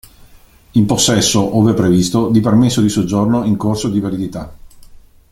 In possesso, ove previsto, di permesso di soggiorno in corso di validità.